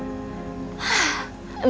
ngejepret ya kan kak